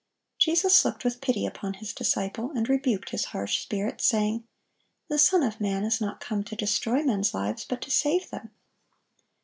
Jesus looked with pity upon His disciple, and rebuked his harsh spirit, saying, "The Son of man is not come to destroy men's lives, but to save them."